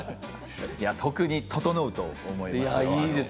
よく整うと思います。